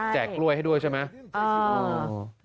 กล้วยให้ด้วยใช่ไหม